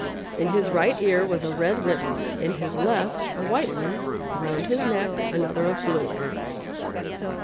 In his right ear was a red ribbon, in his left a white one; around his neck another of blue.